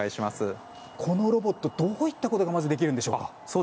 このロボット、どういったことがまずできるんでしょうか。